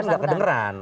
kan tidak kedengeran